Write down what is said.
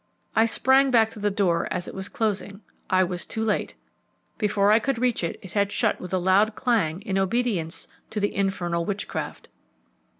I sprang back to the door as it was closing. I was too late. Before I could reach it, it had shut with a loud clang in obedience to the infernal witchcraft.